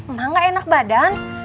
ma gak enak badan